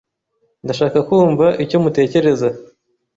Ndashaka kumva icyo mutekereza.